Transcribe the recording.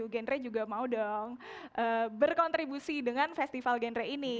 genre juga mau dong berkontribusi dengan festival genre ini